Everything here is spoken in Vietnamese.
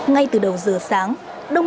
ngay từ đầu giờ sáng